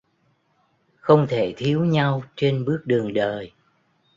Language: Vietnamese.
Không thể thiếu nhau trên bước đường đời